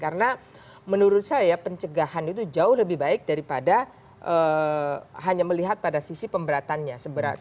karena menurut saya pencegahan itu jauh lebih baik daripada hanya melihat pada sisi pemberatannya